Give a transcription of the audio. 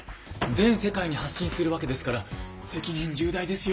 全世界に発信するわけですから責任重大ですよ。